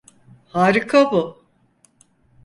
Harika bu.